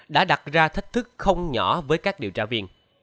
đã đặt ra thách thức không nhỏ với các điều tra viên